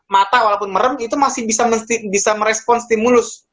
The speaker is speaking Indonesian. mata walaupun merem itu masih bisa merespon stimulus